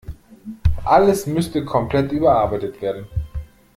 Alles müsste komplett überarbeitet werden.